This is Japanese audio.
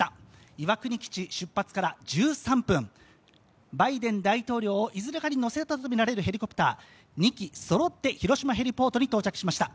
岩国基地出発から１３分、バイデン大統領をいずれかに乗せたとみられるヘリコプター、２機そろって広島ヘリポートに到着しました。